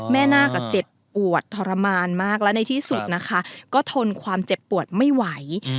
อ๋อแม่นาคอ่ะเจ็บปวดทรมานมากแล้วในที่สุดนะคะก็ทนความเจ็บปวดไม่ไหวอืม